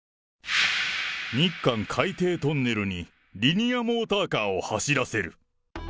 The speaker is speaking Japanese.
日韓海底トンネルにリニアモーターカーを走らせる。